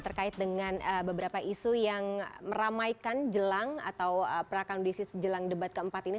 terkait dengan beberapa isu yang meramaikan jelang atau prakondisi jelang debat keempat ini